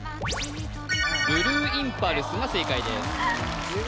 ブルーインパルスが正解です